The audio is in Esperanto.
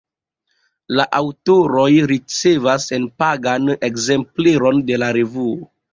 La aŭtoroj ricevas senpagan ekzempleron de la revuo.